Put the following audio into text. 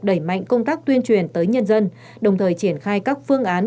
đẩy mạnh công tác tuyên truyền tới nhân dân đồng thời triển khai các phương án